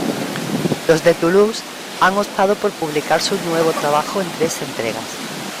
Los de Toulouse han optado por publicar su nuevo trabajo en tres entregas.